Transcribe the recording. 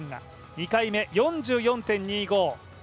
２回目、４４．２５。